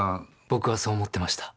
僕はそう思ってました。